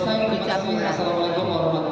assalamualaikum warahmatullahi wabarakatuh